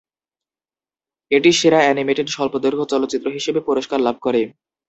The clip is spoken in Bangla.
এটি সেরা অ্যানিমেটেড স্বল্পদৈর্ঘ্য চলচ্চিত্র হিসেবে পুরস্কার লাভ করে।